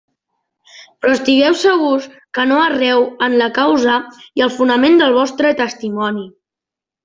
Però estigueu segurs que no erreu en la causa i el fonament del vostre Testimoni.